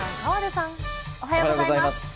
おはようございます。